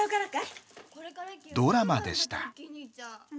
ドラマでした。